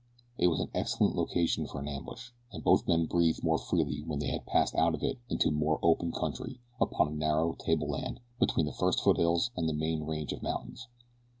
It was an excellent location for an ambush, and both men breathed more freely when they had passed out of it into more open country upon a narrow tableland between the first foothills and the main range of mountains.